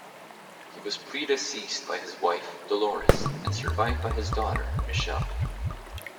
He was predeceased by his wife Dolores and survived by his daughter, Michele.